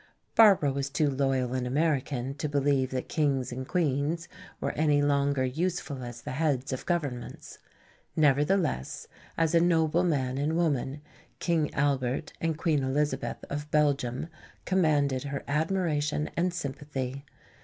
Barbara was too loyal an American to believe that kings and queens were any longer useful as the heads of governments. Nevertheless, as a noble man and woman, King Albert and Queen Elizabeth of Belgium, commanded her admiration and sympathy.